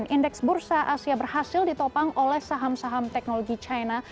indeks bursa asia berhasil ditopang oleh saham saham teknologi china